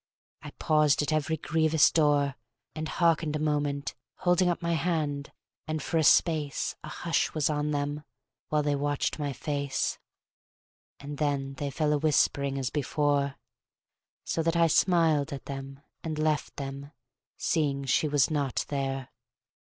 I paused at every grievous door, And harked a moment, holding up my hand, and for a space A hush was on them, while they watched my face; And then they fell a whispering as before; So that I smiled at them and left them, seeing she was not there.